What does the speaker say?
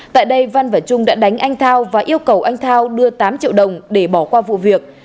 tại đây văn và trung đã đánh anh thao và yêu cầu anh thao đưa tám triệu đồng để bỏ qua vụ việc